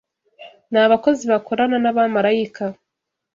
Ni abakozi bakorana n’abamarayika;